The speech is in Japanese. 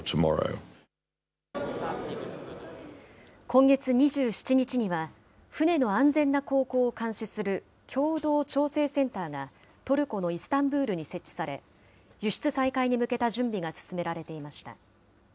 今月２７日には、船の安全な航行を監視する、共同調整センターがトルコのイスタンブールに設置され、輸出再開に向けた準備が進められていました。